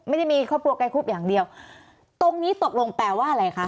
ไม่ได้มีครอบครัวไกลคุบอย่างเดียวตรงนี้ตกลงแปลว่าอะไรคะ